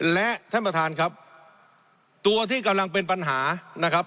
และท่านประธานครับตัวที่กำลังเป็นปัญหานะครับ